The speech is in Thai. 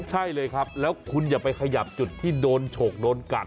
ใช่เลยครับแล้วคุณอย่าไปขยับจุดที่โดนฉกโดนกัด